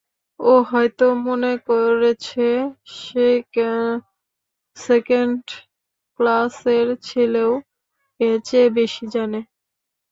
ও হয়তো মনে করেছে, সেকেণ্ড ক্লাসের ছেলেও এর চেয়ে বেশি জানে।